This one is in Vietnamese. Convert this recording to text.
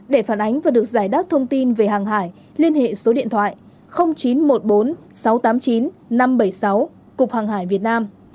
để phản ánh và được giải đáp thông tin về hàng hải liên hệ số điện thoại chín trăm một mươi bốn sáu trăm tám mươi chín năm trăm bảy mươi sáu cục hàng hải việt nam